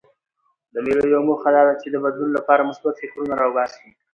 د مېلو یوه موخه دا ده، چي د بدلون له پاره مثبت فکرونه راباسي.